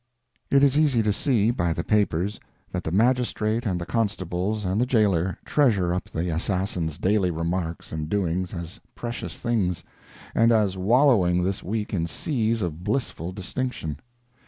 It is easy to see, by the papers, that the magistrate and the constables and the jailer treasure up the assassin's daily remarks and doings as precious things, and as wallowing this week in seas of blissful distinction.